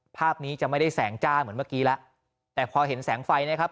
ภาพนี้จะไม่ได้แสงจ้าเหมือนเมื่อกี้แล้วแต่พอเห็นแสงไฟนะครับ